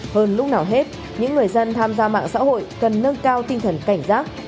hơn lúc nào hết những người dân tham gia mạng xã hội cần nâng cao tinh thần cảnh giác